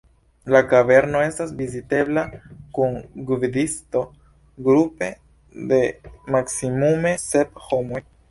La kaverno estas vizitebla kun gvidisto grupe de maksimume sep homoj.